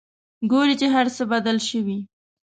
ګوري چې هرڅه بدل شوي.